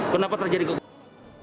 kenapa terjadi kekurangan